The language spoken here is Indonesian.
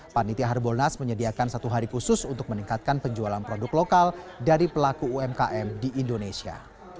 panitia harbolnas menyediakan satu hari khusus untuk meningkatkan penjualan produk lokal dari pelaku umkm di indonesia